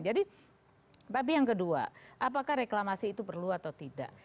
jadi tapi yang kedua apakah reklamasi itu perlu atau tidak